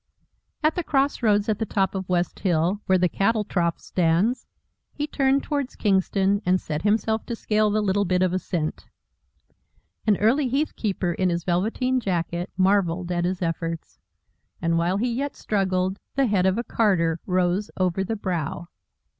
At the cross roads at the top of West Hill, where the cattle trough stands, he turned towards Kingston and set himself to scale the little bit of ascent. An early heath keeper, in his velveteen jacket, marvelled at his efforts. And while he yet struggled, the head of a carter rose over the brow.